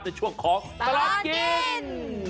ในช่วงของตลอดกิน